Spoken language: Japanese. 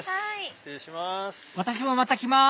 失礼します。